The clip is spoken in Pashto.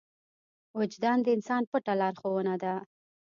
وجدان د انسان پټه لارښوونه ده.